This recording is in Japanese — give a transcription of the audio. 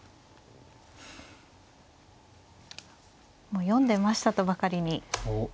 もう読んでましたとばかりに。